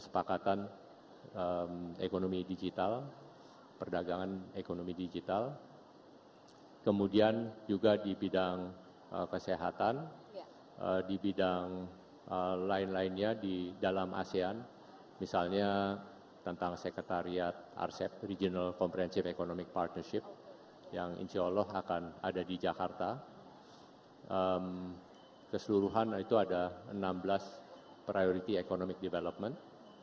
bahwa kita akan melakukan pemerintahan suatu constitutional government